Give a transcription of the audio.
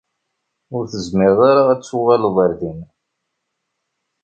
Ur tezmireḍ ara ad tuɣaleḍ ar din.